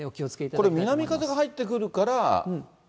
これ、南風が入ってくるから？